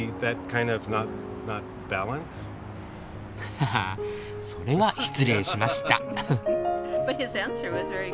アハハそれは失礼しました！